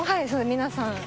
皆さん。